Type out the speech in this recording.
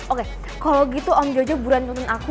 oke kalo gitu om yujo buruan nonton aku